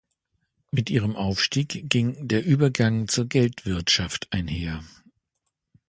Mit ihrem Aufstieg ging der Übergang zur Geldwirtschaft einher.